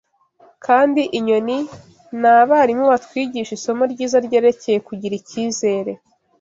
Kandi inyoni ni abarimu batwigisha isomo ryiza ryerekeye kugira icyizere